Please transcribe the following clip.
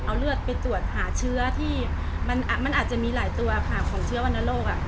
เอาเลือดไปตรวจหาเชื้อที่มันอาจจะมีหลายตัวค่ะของเชื้อวรรณโรค